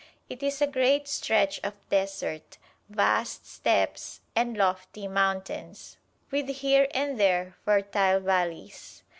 It is a great stretch of desert, vast steppes and lofty mountains, with here and there fertile valleys.